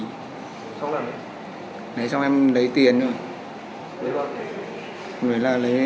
lấy xong em lấy tiền rồi